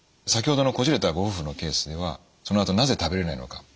先ほどのこじれたご夫婦のケースではそのあと「なぜ食べれないのか」